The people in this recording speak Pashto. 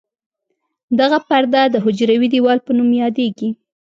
دغه پرده د حجروي دیوال په نوم یادیږي.